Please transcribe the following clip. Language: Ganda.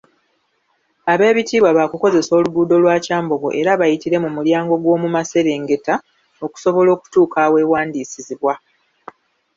Abeebitiibwa baakukozesa oluguudo lwa Kyambogo era bayitire mu mulyango gw'omumaserengeta okusobola okutuuka aweewandiisizibwa.